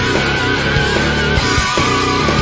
ดีดีดี